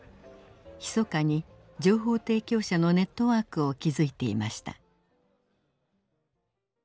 ひそかに情報提供者のネットワークを築いていました。